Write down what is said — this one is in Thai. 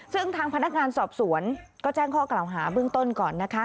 ซึ่งทางพนักงานสอบสวนก็แจ้งข้อกล่าวหาเบื้องต้นก่อนนะคะ